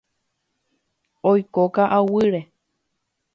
Oiko ka'aguýre.